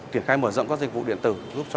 triển khai mở rộng các dịch vụ điện tử